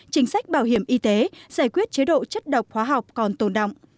chính sách bảo hiểm y tế giải quyết chế độ chất độc hóa học còn tồn động